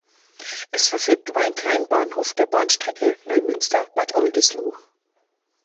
Es verfügt über einen kleinen Bahnhof der Bahnstrecke Neumünster–Bad Oldesloe.